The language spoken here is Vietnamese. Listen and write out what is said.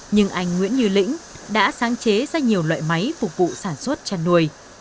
nhưng anh nguyễn như lĩnh đã sáng chế ra nhiều loại máy phục vụ sản xuất chăn nuôi